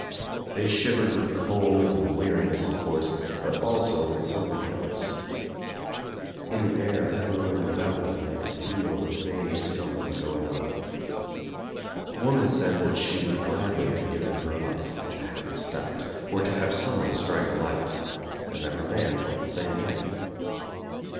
They shivered with cold and weari ness, of course, but also with something else. In the air everywhere about them they could fee! the vague something going on. The woman said that she would gladly have given her life to have it stopped, or to have someone strike a light, and that her man felt the same way.